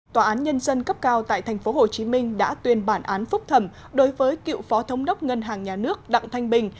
tòa án nhân dân cấp cao tại tp hcm đã tuyên bản án phúc thẩm đối với cựu phó thống đốc ngân hàng nhà nước đặng thanh bình